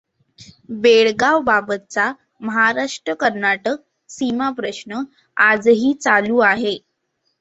बेळगावबाबतचा महाराष्ट्र कर्नाटक सीमाप्रश्न आजही चालू आहे.